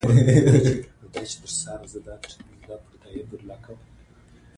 اداري عدالت باور زېږوي